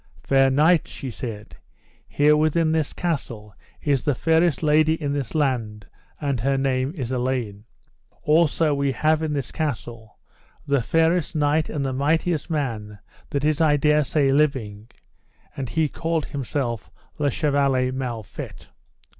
Fair knights, she said, here within this castle is the fairest lady in this land, and her name is Elaine. Also we have in this castle the fairest knight and the mightiest man that is I dare say living, and he called himself Le Chevaler Mal Fet.